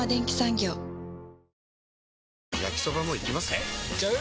えいっちゃう？